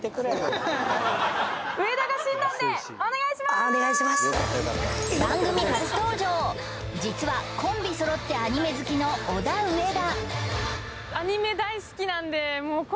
今回うううっ番組初登場実はコンビそろってアニメ好きのオダウエダ